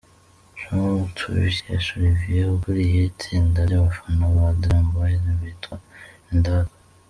com tubikesha Olivier ukuriye itsinda ry’abafana ba Dream Boys bitwa Indatwa.